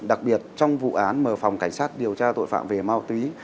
đặc biệt trong vụ án mở phòng cảnh sát điều tra tội phạm về ma túy